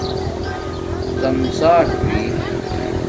ڎم ڎاٹ ہوئی